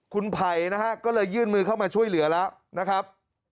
คุณไผ่นะฮะก็เลยยื่นมือเข้ามาช่วยเหลือแล้วนะครับ